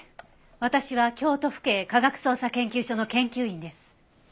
私は京都府警科学捜査研究所の研究員です。